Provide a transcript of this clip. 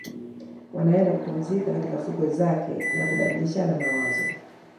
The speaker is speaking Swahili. Wanaenda kupumzika katika fukwe zake na kubadilishana mawazo